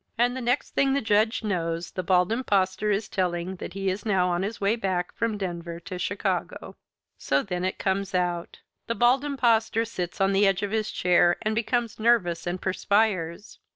And the next thing the Judge knows the Bald Impostor is telling that he is now on his way back from Denver to Chicago. So then it comes out. The Bald Impostor sits on the edge of his chair and becomes nervous and perspires.